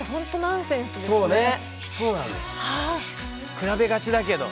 比べがちだけど。